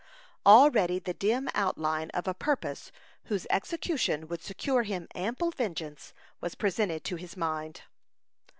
Already the dim outline of a purpose whose execution would secure him ample vengeance was presented to his mind.